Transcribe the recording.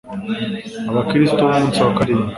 abakristo b'Umunsi wa karindwi.